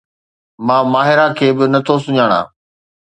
مان ماهرا کي به نٿو سڃاڻان